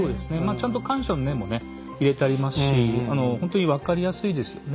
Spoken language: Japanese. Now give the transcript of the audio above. ちゃんと感謝の念も入れてありますしほんとに分かりやすいですよね。